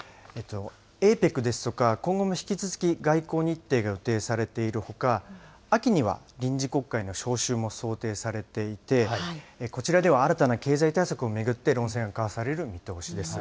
ＡＰＥＣですとか、今後も引き続き外交日程が予定されているほか、秋には臨時国会の召集も想定されていて、こちらでは新たな経済対策を巡って論戦が交わされる見通しです。